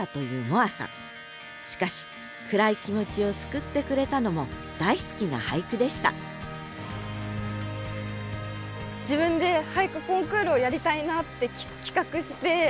しかし暗い気持ちを救ってくれたのも大好きな俳句でした自分で俳句コンクールをやりたいなって企画して。